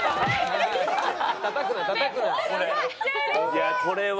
いやこれは。